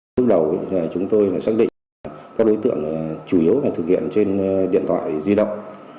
lúc đầu chúng tôi là xác định các đối tượng chủ yếu là thực hiện trên điện thoại di động